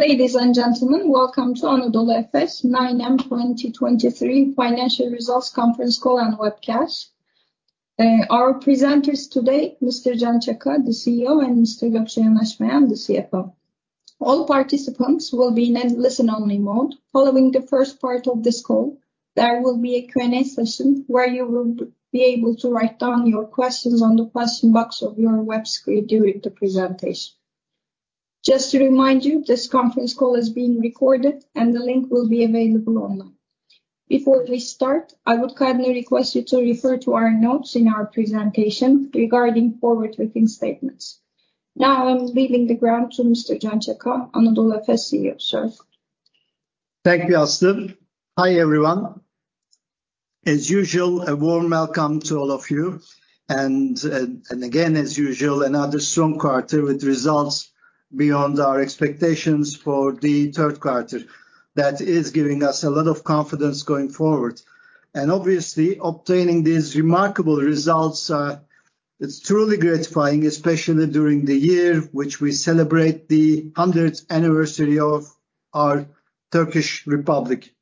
Ladies and gentlemen, welcome to Anadolu Efes 9M 2023 Financial Results Conference Call and Webcast. Our presenters today, Mr. Can Çaka, the CEO, and Mr. Gökçe Yanaşmayan, the Chief People and Culture Officer. All participants will be in a listen only mode. Following the first part of this call, there will be a Q&A session where you will be able to write down your questions on the question box of your web screen during the presentation. Just to remind you, this conference call is being recorded and the link will be available online. Before we start, I would kindly request you to refer to our notes in our presentation regarding forward-looking statements. Now, I'm leaving the ground to Can Çaka, Anadolu Efes, sir. Thank you, Aslı, Hi, everyone. As usual, a warm welcome to all of you. And again, as usual, another strong quarter with results beyond our expectations for the Q3. That is giving us a lot of confidence going forward. And obviously, obtaining these remarkable results, it's truly gratifying, especially during the year, which we celebrate the hundredth anniversary of our Turkish Republic.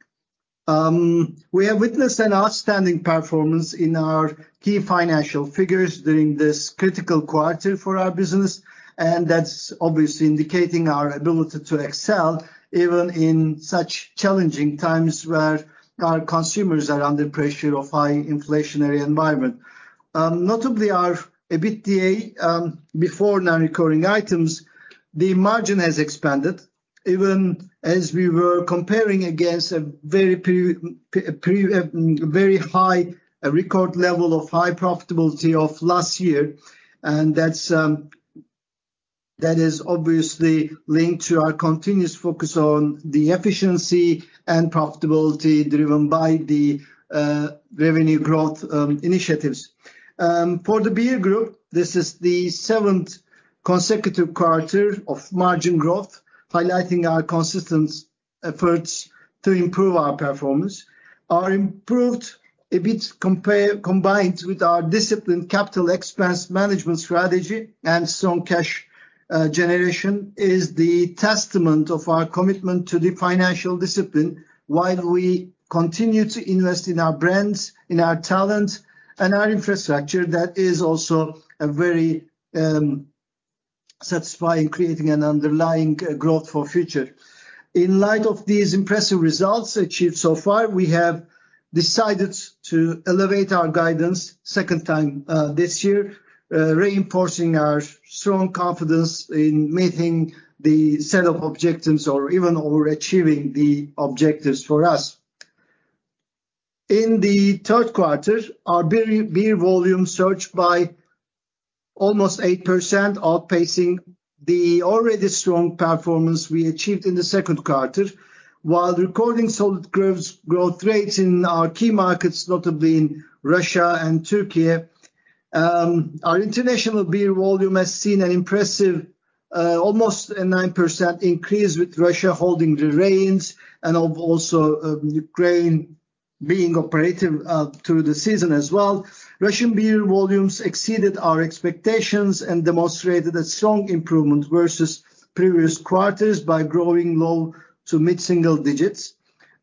We have witnessed an outstanding performance in our key financial figures during this critical quarter for our business, and that's obviously indicating our ability to excel even in such challenging times where our consumers are under pressure of high inflationary environment. Notably, our EBITDA before non-recurring items, the margin has expanded even as we were comparing against a very high, a record level of high profitability of last year. And this is obviously linked to our continuous focus on efficiency and profitability driven by our revenue growth initiatives. For the Beer Group, this is the seventh consecutive quarter of margin growth, highlighting our consistent efforts to improve our performance. Our improved EBIT combined with our disciplined CapEx management strategy and strong cash generation is the testament to our commitment to financial discipline while we continue to invest in our brands, in our talent, and our infrastructure. That is also a very satisfying, creating an underlying growth for future. In light of these impressive results achieved so far, we have decided to elevate our guidance second time this year, reinforcing our strong confidence in meeting the set of objectives or even overachieving the objectives for us. In the Q3, our beer, beer volume surged by almost 8%, outpacing the already strong performance we achieved in the Q2. While recording solid growth, growth rates in our key markets, notably in Russia and Turkey, our international beer volume has seen an impressive, almost a 9% increase, with Russia holding the reins and also, Ukraine being operative, through the season as well. Russian beer volumes exceeded our expectations and demonstrated a strong improvement versus previous quarters by growing low- to mid-single digits.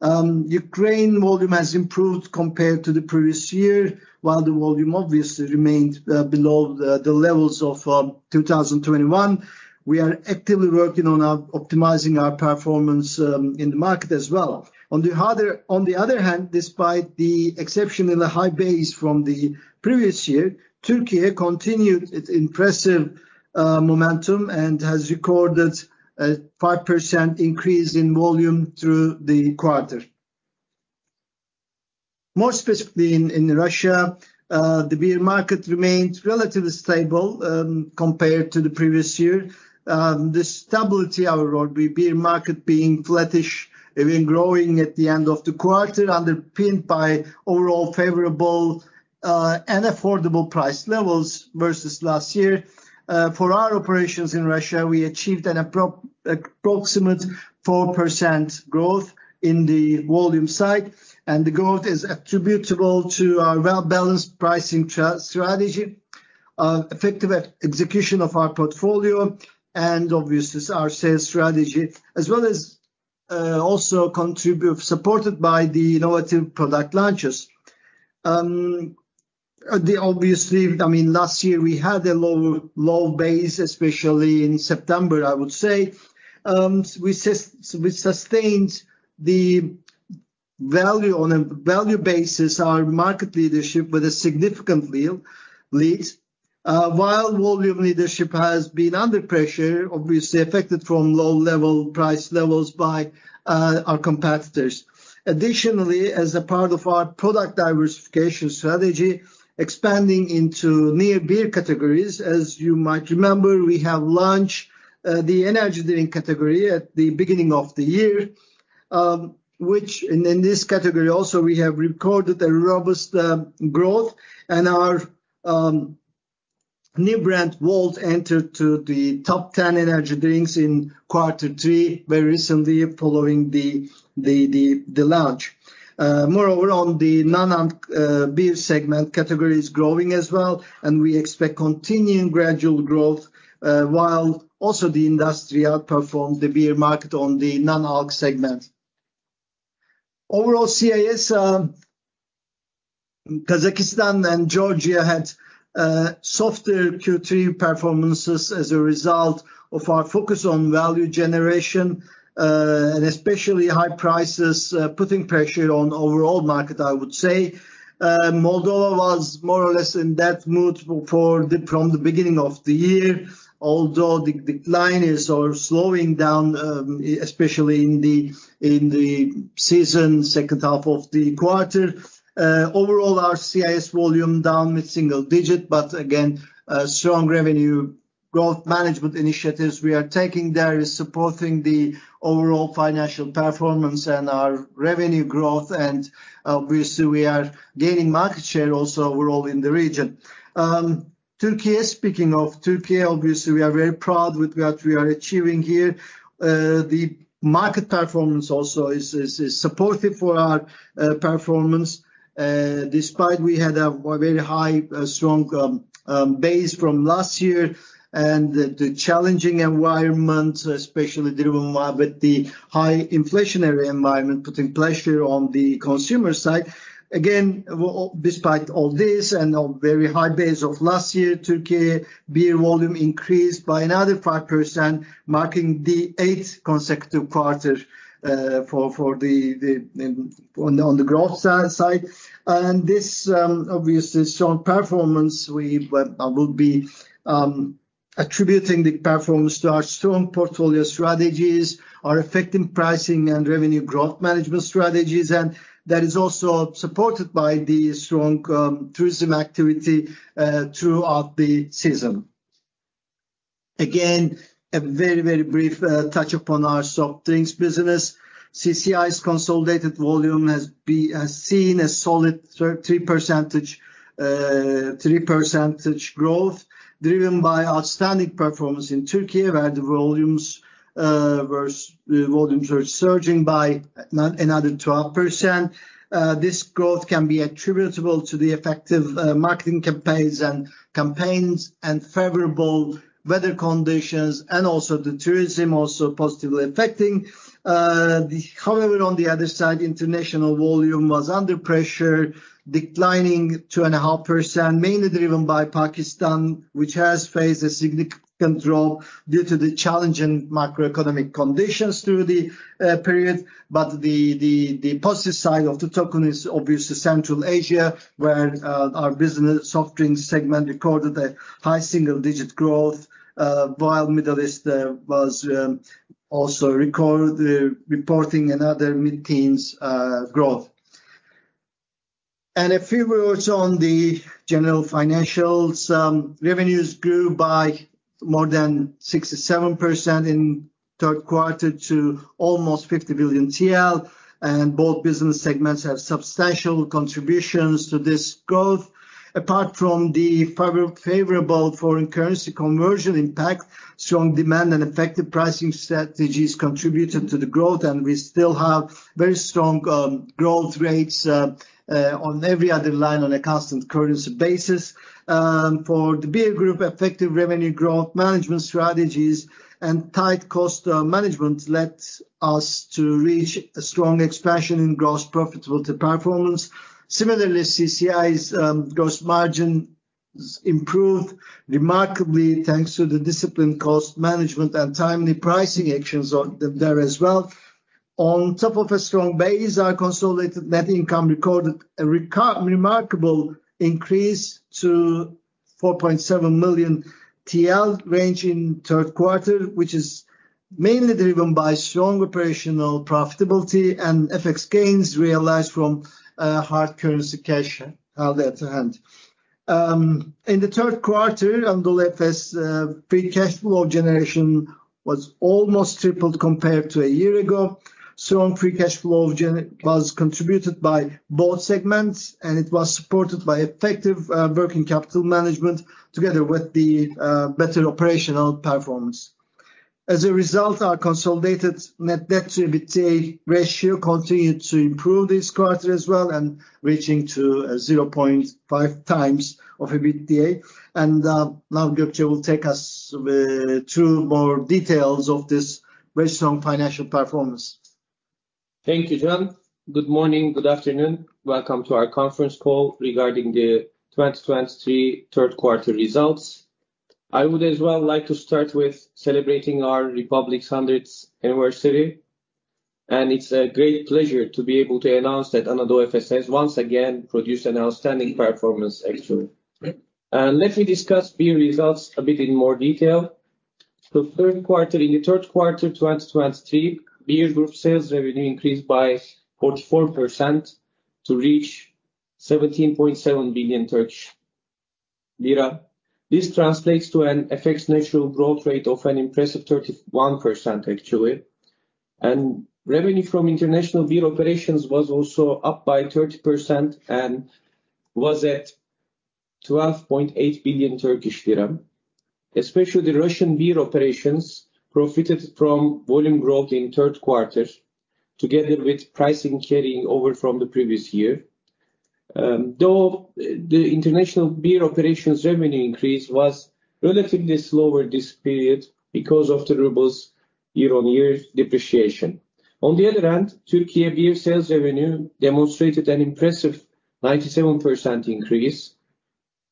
Ukraine volume has improved compared to the previous year, while the volume obviously remained below the levels of 2021. We are actively working on optimizing our performance in the market as well. On the other hand, despite the exceptionally high base from the previous year, Turkey continued its impressive momentum and has recorded a 5% increase in volume through the quarter. More specifically, in Russia, the beer market remained relatively stable compared to the previous year. The stability of our beer market being flattish, even growing at the end of the quarter, underpinned by overall favorable and affordable price levels versus last year. For our operations in Russia, we achieved an approximate 4% growth in the volume side, and the growth is attributable to our well-balanced pricing strategy, effective execution of our portfolio, and obviously, our sales strategy, as well as also supported by the innovative product launches. Obviously, I mean, last year we had a low, low base, especially in September, I would say. We sustained the value on a value basis, our market leadership with a significant lead. While volume leadership has been under pressure, obviously affected from low-level price levels by our competitors. Additionally, as a part of our product diversification strategy, expanding into new beer categories, as you might remember, we have launched the energy drink category at the beginning of the year, which. And in this category also, we have recorded a robust growth and our new brand, Volt, entered the top ten energy drinks in quarter three very recently following the launch. Moreover, on the non-alcoholic beer segment category is growing as well, and we expect continuing gradual growth, while also the industry outperformed the beer market on the non-alc segment. Overall, CIS, Kazakhstan and Georgia had softer Q3 performances as a result of our focus on value generation, and especially high prices putting pressure on overall market, I would say. Moldova was more or less in that mood from the beginning of the year, although the line is slowing down, especially in the season, H2 of the quarter. Overall, our CIS volume down with single digit, but again, a strong revenue growth management initiatives we are taking there is supporting the overall financial performance and our revenue growth, and obviously, we are gaining market share also overall in the region. Speaking of Turkey, obviously, we are very proud with what we are achieving here. The market performance also is supportive for our performance, despite we had a very high strong base from last year and the challenging environment, especially driven more with the high inflationary environment, putting pressure on the consumer side. Again, well, despite all this and a very high base of last year, Turkey beer volume increased by another 5%, marking the eighth consecutive quarter for the growth side. And this obviously strong performance, we well will be attributing the performance to our strong portfolio strategies, our effective pricing and revenue growth management strategies, and that is also supported by the strong tourism activity throughout the season. Again, a very, very brief touch upon our soft drinks business. CCI's consolidated volume has seen a solid 3% growth, driven by outstanding performance in Turkey, where the volumes were surging by another 12%. This growth can be attributable to the effective marketing campaigns and favorable weather conditions, and also the tourism positively affecting. However, on the other side, international volume was under pressure, declining 2.5%, mainly driven by Pakistan, which has faced a significant drop due to the challenging macroeconomic conditions through the period. On the positive side of the token is obviously Central Asia, where our business soft drink segment recorded a high single-digit growth, while Middle East was also recorded reporting another mid-teens growth. And a few words on the general financials. Revenues grew by more than 67% in Q3 to almost 50 billion TL, and both business segments have substantial contributions to this growth. Apart from the favorable foreign currency conversion impact, strong demand and effective pricing strategies contributed to the growth, and we still have very strong growth rates on every other line on a constant currency basis. For the beer group, effective revenue growth management strategies and tight cost management led us to reach a strong expansion in gross profitability performance. Similarly, CCI's gross margin is improved remarkably, thanks to the disciplined cost management and timely pricing actions there as well. On top of a strong base, our consolidated net income recorded a remarkable increase to 4.7 million TL in Q3, which is mainly driven by strong operational profitability and FX gains realized from hard-currency cash balances. In the Q3, Anadolu Efes free cash flow generation was almost tripled compared to a year ago. Strong free cash flow generation was contributed by both segments, and it was supported by effective working capital management, together with the better operational performance. As a result, our consolidated net debt to EBITDA ratio continued to improve this quarter as well, and reaching to a 0.5x of EBITDA.Now Gökçe will take us through more details of this very strong financial performance. Thank you, Can. Good morning. Good afternoon. Welcome to our conference call regarding the Q3 2023 results. I would as well like to start with celebrating the 100th anniversary of our Republic, and it's a great pleasure to be able to announce that Anadolu Efes has once again produced an outstanding performance actually. Let me discuss beer results a bit in more detail. The Q3, in the Q3, 2023, beer group sales revenue increased by 44% to reach 17.7 billion Turkish lira. This translates to an FX-neutral growth rate of an impressive 31%, actually. And revenue from international beer operations was also up by 30% and was at 12.8 billion Turkish lira. Especially the Russian beer operations profited from volume growth in Q3, together with pricing carrying over from the previous year. Though, the international beer operations revenue increase was relatively slower this period because of the ruble's year-on-year depreciation. On the other hand, Turkey beer sales revenue demonstrated an impressive 97% increase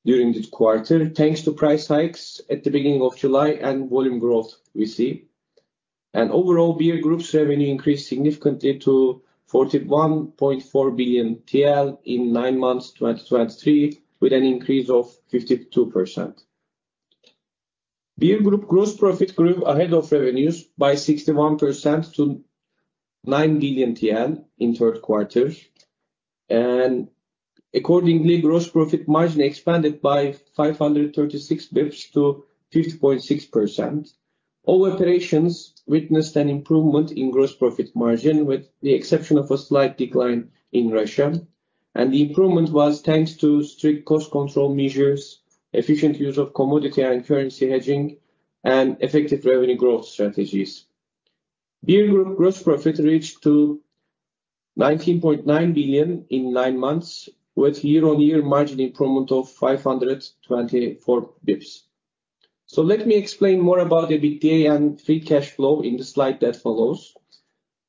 during the quarter, thanks to price hikes at the beginning of July and volume growth we see. And overall, beer group's revenue increased significantly to 41.4 billion TL in nine months, 2023, with an increase of 52%. Beer group gross profit grew ahead of revenues by 61% to 9 billion in Q3, and accordingly, gross profit margin expanded by 536 basis points to 50.6%. All operations witnessed an improvement in gross profit margin, with the exception of a slight decline in Russia, and the improvement was thanks to strict cost control measures, efficient use of commodity and currency hedging, and effective revenue growth strategies. Beer Group gross profit reached 19.9 billion in nine months, with year-on-year margin improvement of 524 basis points. So let me explain more about the EBITDA and free cash flow in the slide that follows.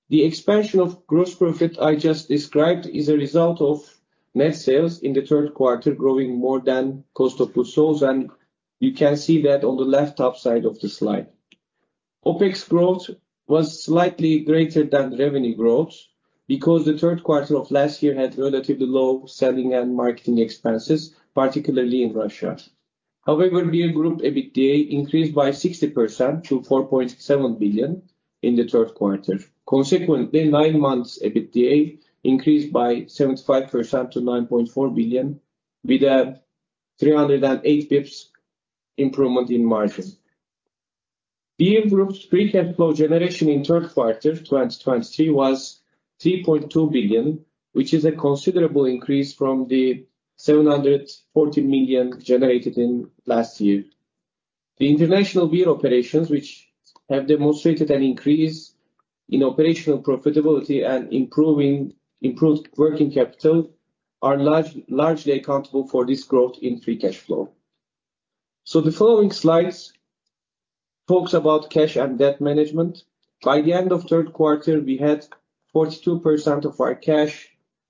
The expansion of gross profit I just described is a result of net sales in the Q3, growing more than cost of goods sold, and you can see that on the left top side of the slide. OpEx growth was slightly greater than revenue growth because the Q3 of last year had relatively low selling and marketing expenses, particularly in Russia. However, Beer Group EBITDA increased by 60% to 4.7 billion in the Q3. Consequently, nine months EBITDA increased by 75% to 9.4 billion, with a 308 basis points improvement in margin. Beer Group's free cash flow generation in Q3 2023 was 3.2 billion, which is a considerable increase from the 740 million generated in last year. The international beer operations, which have demonstrated an increase in operational profitability and improved working capital, are largely accountable for this growth in free cash flow. So the following slides talks about cash and debt management. By the end of Q3, we had 42% of our cash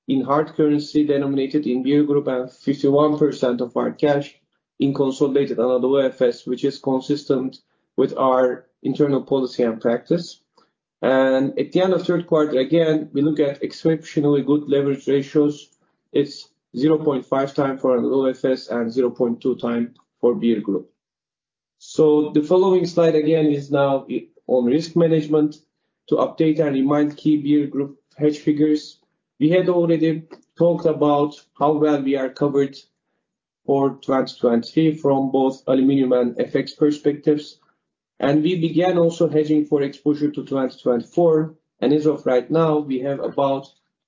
in hard currency denominated in Beer Group, and 51% of our cash in consolidated Anadolu Efes, which is consistent with our internal policy and practice. And at the end of Q3, again, we look at exceptionally good leverage ratios. It's 0.5x for Anadolu Efes and 0.2x for Beer Group. So the following slide, again, is now on risk management. To update and remind key beer group hedge figures, we had already talked about how well we are covered for 2023 from both aluminum and FX perspectives. And we began also hedging for exposure to 2024, and as of right now, we have about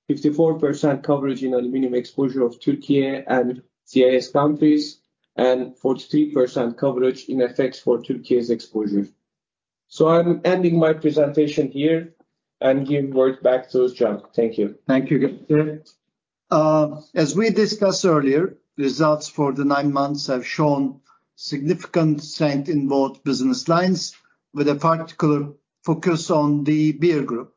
54% coverage in aluminum exposure of Turkey and CIS countries, and 43% FX coverage for Turkey exposure. So I'm ending my presentation here and give word back to Can. Thank you. Thank you, Gökçe. As we discussed earlier, results for the nine months have shown significant strength in both business lines, with a particular focus on the beer group.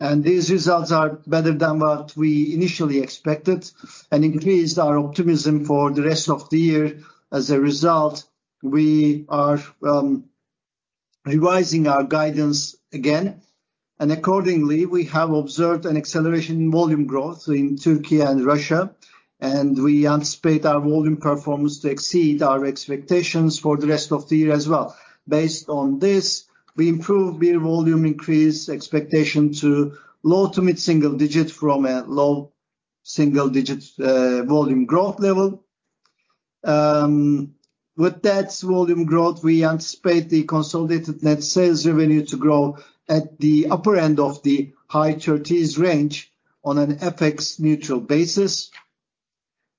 These results are better than what we initially expected and increased our optimism for the rest of the year. As a result, we are revising our guidance again, and accordingly, we have observed an acceleration in volume growth in Turkey and Russia, and we anticipate our volume performance to exceed our expectations for the rest of the year as well. Based on this, we improve beer volume increase expectation to low to mid-single digit from a low single digit volume growth level. With that volume growth, we anticipate the consolidated net sales revenue to grow at the upper end of the high thirties range on an FX-neutral basis.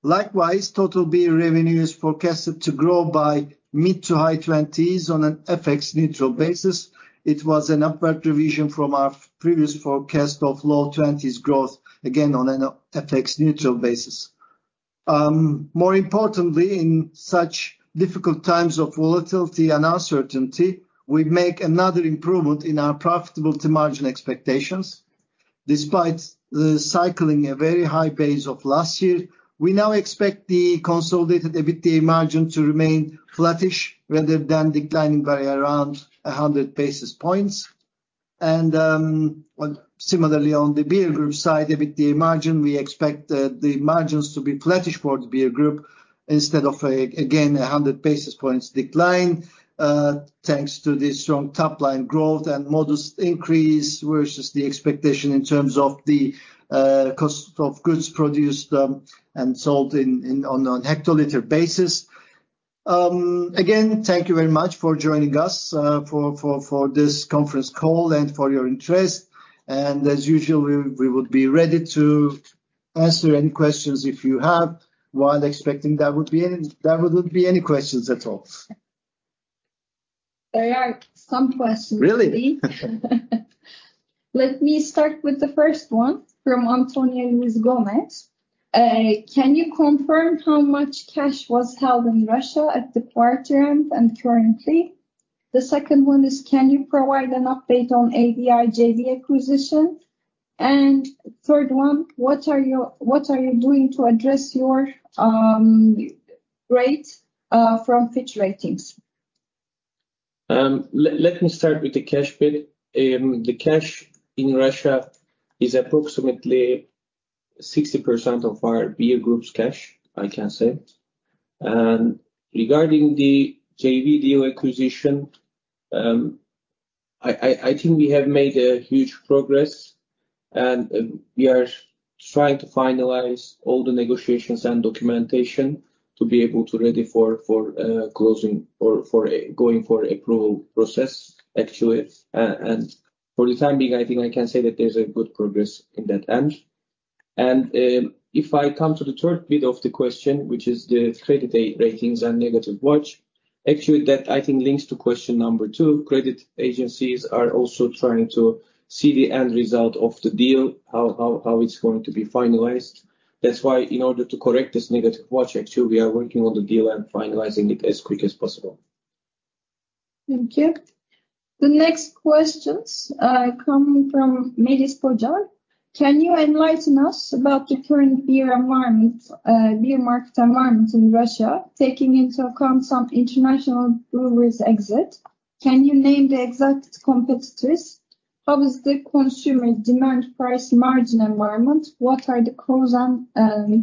Likewise, total beer revenue is forecasted to grow by mid- to high-20s on an FX-neutral basis. It was an upward revision from our previous forecast of low-20s growth, again, on an FX-neutral basis. More importantly, in such difficult times of volatility and uncertainty, we make another improvement in our profitability margin expectations. Despite the cycling a very high base of last year, we now expect the consolidated EBITDA margin to remain flattish rather than declining by around 100 basis points. And, well, similarly, on the beer group side, EBITDA margin, we expect the margins to be flattish for the beer group instead of a, again, 100 basis points decline, thanks to the strong top-line growth and modest increase versus the expectation in terms of the cost of goods produced and sold in, on a hectoliter basis. Again, thank you very much for joining us for this conference call and for your interest. As usual, we would be ready to answer any questions if you have, while expecting there would be any, there wouldn't be any questions at all. There are some questions. Really? Let me start with the first one from Antonio Luis Gomez. Can you confirm how much cash was held in Russia at the quarter end and currently? The second one is, can you provide an update on ABI JV acquisition? Third one, what are you doing to address your rating from Fitch Ratings? Let me start with the cash bit. The cash in Russia is approximately 60% of our Beer Group's cash, I can say. And regarding the JV deal acquisition, I think we have made a huge progress, and we are trying to finalize all the negotiations and documentation to be able to ready for closing or for going for approval process, actually. And for the time being, I think I can say that there's a good progress in that end. And if I come to the third bit of the question, which is the credit ratings and negative watch, actually, that I think links to question number two. Credit agencies are also trying to see the end result of the deal, how it's going to be finalized. That's why in order to correct this negative watch, actually, we are working on the deal and finalizing it as quick as possible. Thank you. The next questions, coming from Melis Pocar. Can you enlighten us about the current beer environment, beer market environment in Russia, taking into account some international brewers exit? Can you name the exact competitors? How is the consumer demand price margin environment? What are the cons and,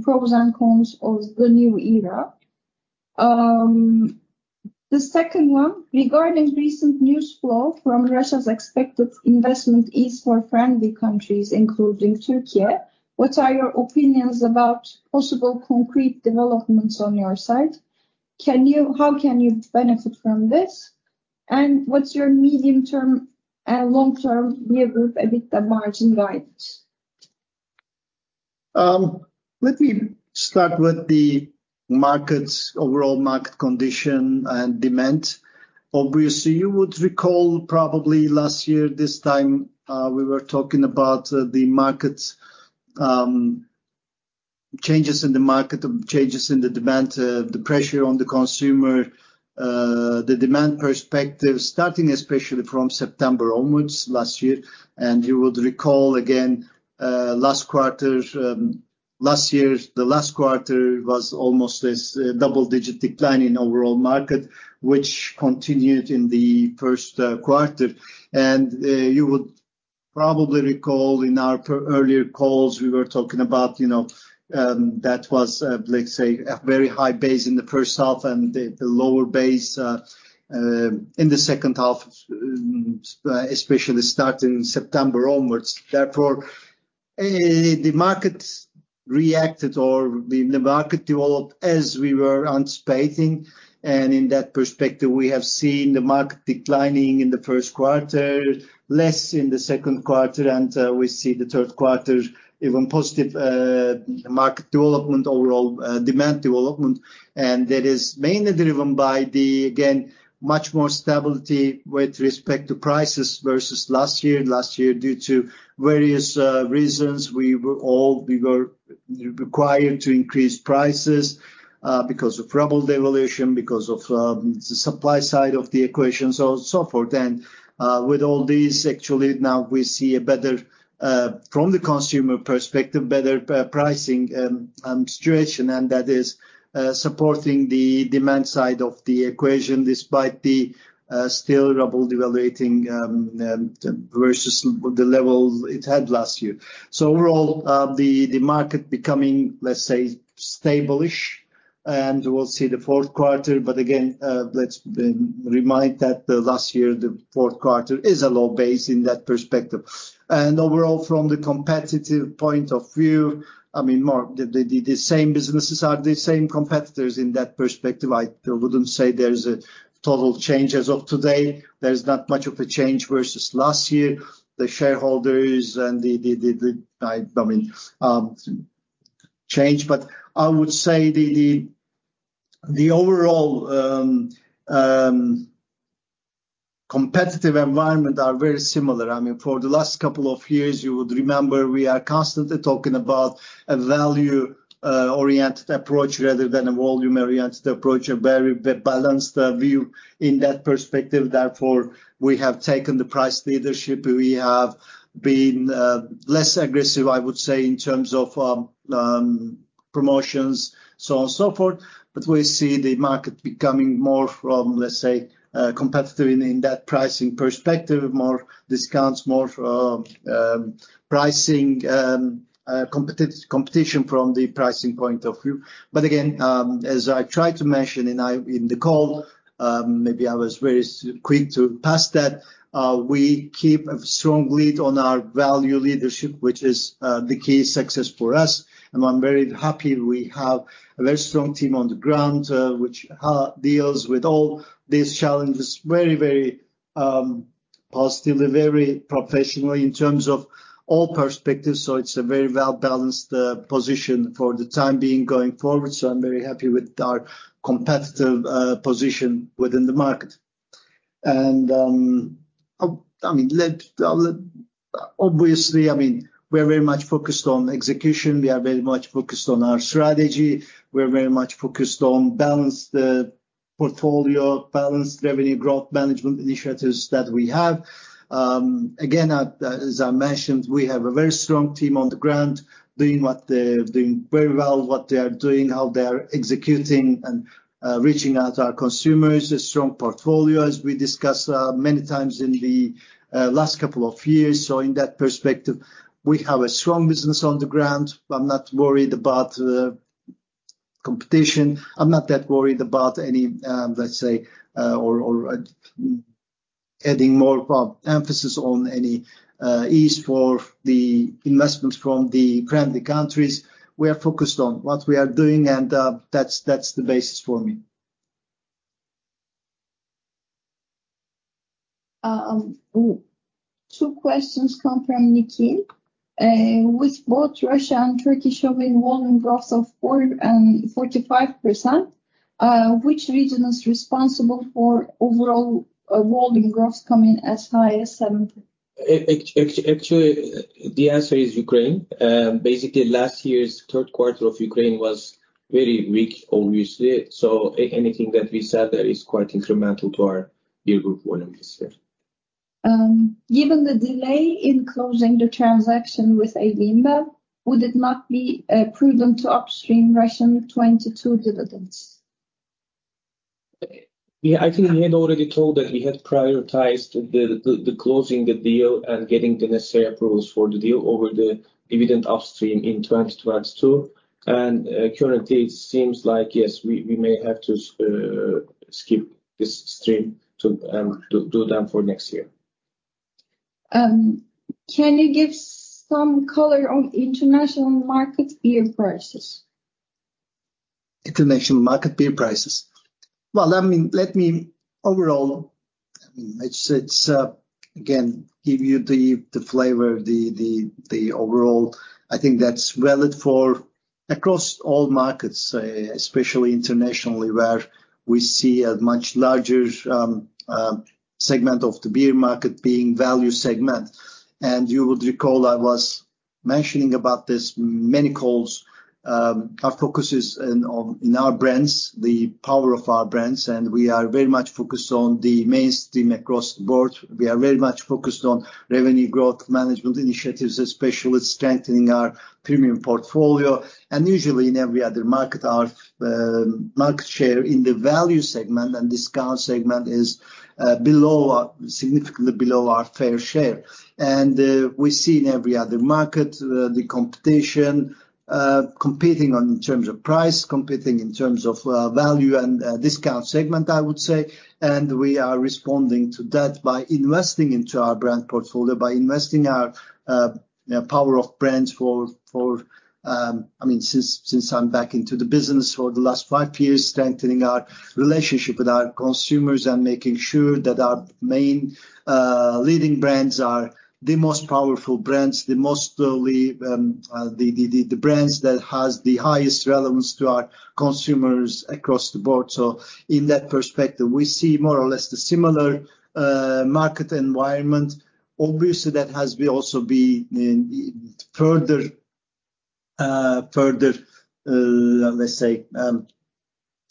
pros and cons of the new era? The second one, regarding recent news flow from Russia's expected investment is for friendly countries, including Turkey, what are your opinions about possible concrete developments on your side? Can you... How can you benefit from this? And what's your medium-term and long-term beer group EBITDA margin guidance? Let me start with the markets, overall market condition and demand. Obviously, you would recall probably last year this time, we were talking about the markets, changes in the market, changes in the demand, the pressure on the consumer, the demand perspective, starting especially from September onwards last year. And you would recall again, last quarter, last year, the last quarter was almost as a double-digit decline in overall market, which continued in the first quarter. And you would probably recall in our earlier calls, we were talking about, you know, that was, let's say, a very high base in the first half and the lower base in the H2, especially starting September onwards. Therefore, the market reacted or the market developed as we were anticipating, and in that perspective, we have seen the market declining in the Q1, less in the Q2, and we see the Q3 even positive market development, overall demand development. That is mainly driven by, again, much more stability with respect to prices versus last year. Last year, due to various reasons, we were required to increase prices because of ruble devaluation, because of the supply side of the equation, so on, so forth. With all these, actually, now we see a better, from the consumer perspective, better pricing situation, and that is supporting the demand side of the equation, despite the still ruble devaluing versus the level it had last year. So overall, the market becoming, let's say, stable-ish, and we'll see the Q4. But again, let's remind that last year, the Q4 is a low base in that perspective. And overall, from the competitive point of view, I mean, the same businesses are the same competitors in that perspective. I wouldn't say there's a total change as of today. There's not much of a change versus last year. The shareholders and the... I mean, change, but I would say the overall competitive environment is very similar. I mean, for the last couple of years, you would remember, we are constantly talking about a value oriented approach rather than a volume-oriented approach, a very balanced view in that perspective. Therefore, we have taken the price leadership. We have been less aggressive, I would say, in terms of promotions, so on, so forth. But we see the market becoming more, let's say, competitive in that pricing perspective, more discounts, more pricing competition from the pricing point of view. But again, as I tried to mention in the call. Maybe I was very quick to pass that. We keep a strong lead on our value leadership, which is the key success for us, and I'm very happy we have a very strong team on the ground, which deals with all these challenges very, very positively, very professionally in terms of all perspectives. So it's a very well-balanced position for the time being going forward, so I'm very happy with our competitive position within the market. Obviously, I mean, we're very much focused on execution. We are very much focused on our strategy. We're very much focused on balanced portfolio, balanced revenue growth management initiatives that we have. Again, as I mentioned, we have a very strong team on the ground doing what they're doing very well, what they are doing, how they are executing and reaching out to our consumers. A strong portfolio, as we discussed, many times in the last couple of years. So in that perspective, we have a strong business on the ground. I'm not worried about competition. I'm not that worried about any, let's say, adding more emphasis on any ease for the investments from the friendly countries. We are focused on what we are doing, and that's, that's the basis for me. Two questions come from Nikki. With both Russia and Turkey showing volume growth of 4.45%, which region is responsible for overall volume growth coming as high as 70%? Actually, the answer is Ukraine. Basically, last year's Q3 of Ukraine was very weak, obviously. So anything that we said there is quite incremental to our Beer Group volume this year. Given the delay in closing the transaction with AB InBev, would it not be prudent to upstream Russian 2022 dividends? Yeah, I think we had already told that we had prioritized the closing the deal and getting the necessary approvals for the deal over the dividend upstream in 2022. And currently, it seems like yes, we may have to skip this stream to do that for next year. Can you give some color on international market beer prices? International market beer prices. Well, I mean, let me overall, I mean, it's, it's, again, give you the flavor, the overall. I think that's valid for across all markets, especially internationally, where we see a much larger segment of the beer market being value segment. And you would recall, I was mentioning about this many calls. Our focus is on in our brands, the power of our brands, and we are very much focused on the mainstream across the board. We are very much focused on revenue growth management initiatives, especially strengthening our premium portfolio. And usually in every other market, our market share in the value segment and discount segment is below, significantly below our fair share. And, we see in every other market, the competition, competing on in terms of price, competing in terms of, value and, discount segment, I would say. And we are responding to that by investing into our brand portfolio, by investing our, power of brands for, for... I mean, since I'm back into the business for the last five years, strengthening our relationship with our consumers and making sure that our main, leading brands are the most powerful brands, the most, the brands that has the highest relevance to our consumers across the board. So in that perspective, we see more or less the similar, market environment. Obviously, that has to be also in further, let's say,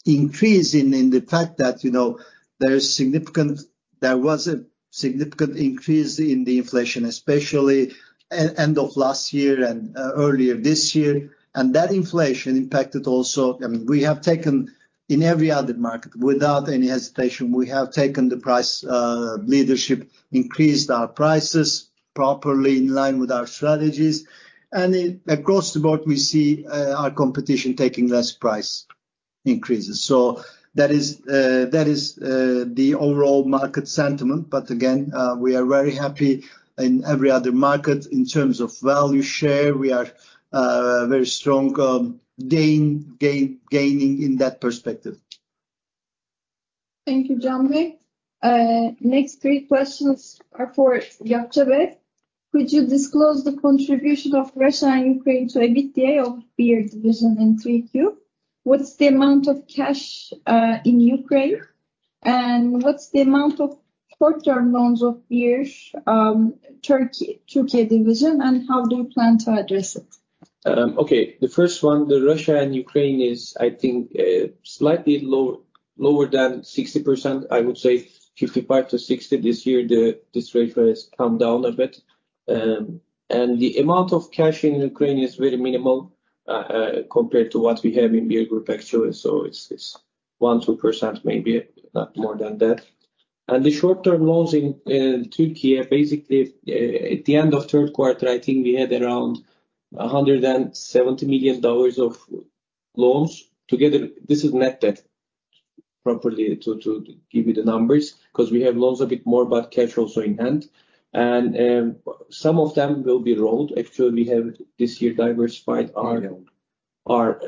increase in the fact that, you know, there is significant—there was a significant increase in the inflation, especially at end of last year and earlier this year. And that inflation impacted also—I mean, we have taken in every other market, without any hesitation, we have taken the price leadership, increased our prices properly in line with our strategies. And it, across the board, we see our competition taking less price increases. So that is the overall market sentiment. But again, we are very happy in every other market. In terms of value share, we are very strong, gaining in that perspective. Thank you, Can. Next three questions are for Yakup. Could you disclose the contribution of Russia and Ukraine to EBITDA of beer division in Q3? What's the amount of cash in Ukraine? And what's the amount of short-term loans of beers Turkey Turkey division, and how do you plan to address it? Okay, the first one, the Russia and Ukraine is, I think, slightly lower than 60%. I would say 55% to 60% this year. This rate has come down a bit, and the amount of cash in Ukraine is very minimal compared to what we have in Beer Group, actually. So it's 1% to 2%, maybe, not more than that. And the short-term loans in Turkey, basically, at the end of Q3, I think we had around $170 million of loans. Together, this is net debt, properly, to give you the numbers, 'cause we have loans a bit more, but cash also in hand. And some of them will be rolled. Actually, we have this year diversified our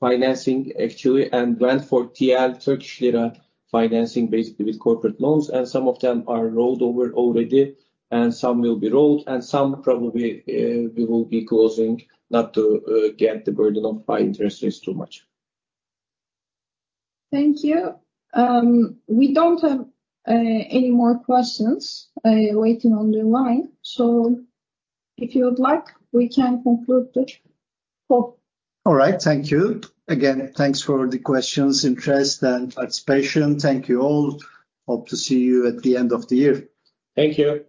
financing, actually, and went for Turkish lira, financing, basically with corporate loans, and some of them are rolled over already, and some will be rolled, and some probably we will be closing not to get the burden of high interest rates too much. Thank you. We don't have any more questions waiting on the line, so if you would like, we can conclude the call. All right. Thank you. Again, thanks for the questions, interest, and participation. Thank you all. Hope to see you at the end of the year. Thank you.